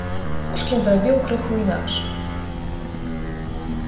Пушкін зрабіў крыху інакш.